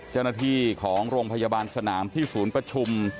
เจ้าหน้าที่ของโรงพยาบาลสนามที่ศูนย์ประชุม